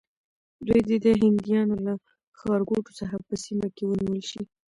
دوی دې د هندیانو له ښارګوټو څخه په سیمه کې ونیول شي.